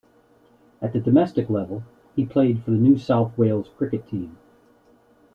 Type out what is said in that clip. At the domestic level, he played for the New South Wales cricket team.